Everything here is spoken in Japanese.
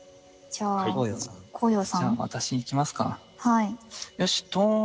じゃあ私いきますか。